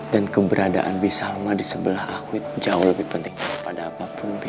dan keberadaan bisa rumah di sebelah aku itu jauh lebih penting daripada apapun bi